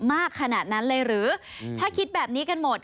มากขนาดนั้นเลยหรือถ้าคิดแบบนี้กันหมด